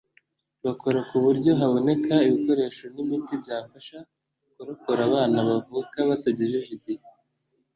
bakora ku buryo haboneka ibikoresho n’imiti byafasha kurokora abana bavuka batagejeje igihe